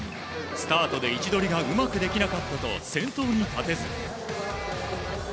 スタートで位置取りがうまくできなかったと先頭に立てず。